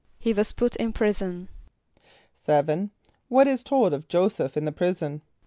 =He was put in prison.= =7.= What is told of J[=o]´[s+]eph in the prison?